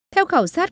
theo khảo sát